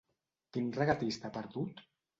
Quin regatista ha perdut?